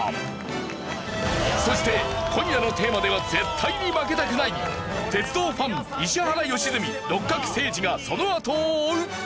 そして今夜のテーマでは絶対に負けたくない鉄道ファン石原良純六角精児がその後を追う！